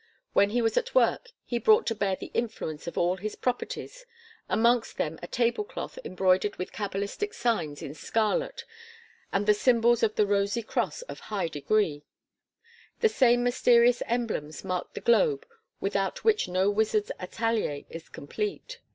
When he was at work he brought to bear the influence of all his "properties," amongst them a tablecloth embroidered with cabalistic signs in scarlet and the symbols of the Rosy Cross of high degree; the same mysterious emblems marked the globe without which no wizard's atelier is complete.